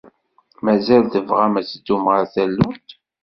Mazal tebɣam ad teddum ɣer tallunt?